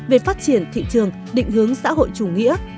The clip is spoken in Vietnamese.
về phát triển thị trường định hướng xã hội chủ nghĩa